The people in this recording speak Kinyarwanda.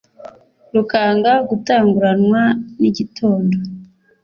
rukanga gutanguranwa n'igitondo.